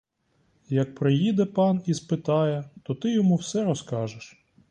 Як приїде пан і спитає, то ти йому все розкажеш.